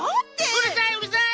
うるさいうるさい！